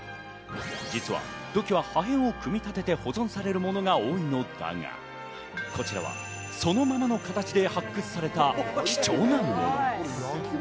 実は土器は破片を組み立てて保存されるものが多いのだが、こちらはそのままの形で発掘された貴重なもの。